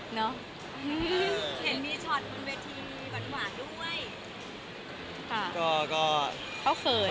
เห็นมีช็อตบนเวทีมีบัตรหวานด้วย